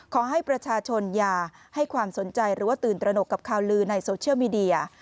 ขอให้ประชาชนอย่าให้ความสนใจหรือว่าตื่นตระหนกกับข่าวลือในโซเชียลมีเดีย